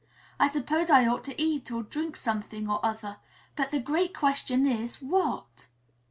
I suppose I ought to eat or drink something or other, but the great question is 'What?'"